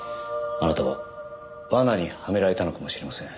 あなたは罠にはめられたのかもしれません。